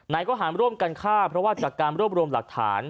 ข้อหารร่วมกันฆ่าเพราะว่าจากการรวบรวมหลักฐาน